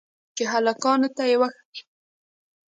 چې هلکانو ته يې وښييم.